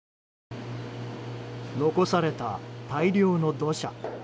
残された大量の土砂。